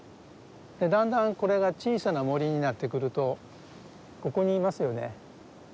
だんだんこれが小さな森になってくるとここにいますよね。